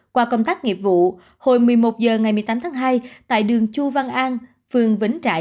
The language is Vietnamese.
qua công tác nghiệp vụ hồi một mươi một h ngày một mươi tám tháng hai tại đường chu văn an phường vĩnh trại